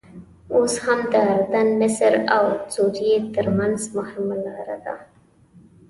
اوس هم د اردن، مصر او سوریې ترمنځ مهمه لاره ده.